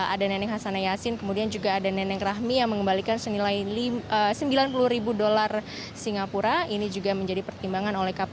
ada neneng hasan yasin kemudian juga ada neneng rahmi yang mengembalikan senilai sembilan puluh ribu dolar singapura ini juga menjadi pertimbangan oleh kpk